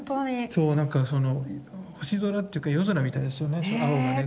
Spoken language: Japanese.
そうなんかその星空っていうか夜空みたいですよね